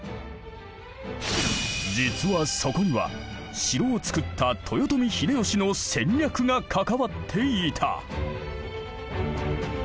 実はそこには城を造った豊臣秀吉の戦略が関わっていた。